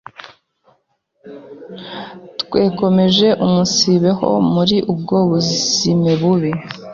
twekomeje umunsibeho muri ubwo buzime bubi